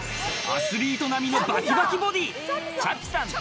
アスリート並みのバキバキボディ、ちゃぴさん